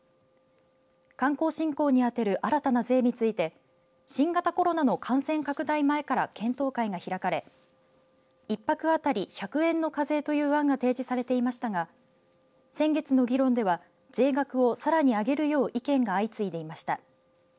観光振興に充てる新たな税について新型コロナの感染拡大前から検討会が開かれ１泊当たり１００円の課税という案が掲示されていましたが先月の議論では税額をさらに上げるよう意見が相次いでいました。